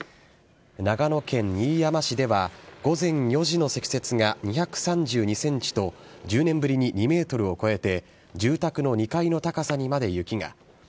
長野県飯山市では、午前４時の積雪が２３２センチと、１０年ぶりに２メートルを超えて、住宅の２階の高さにまで雪が。